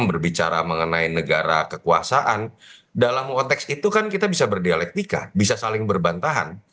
berbicara mengenai negara kekuasaan dalam konteks itu kan kita bisa berdialektika bisa saling berbantahan